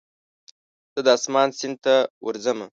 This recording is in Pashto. زه د اسمان سیند ته ورځمه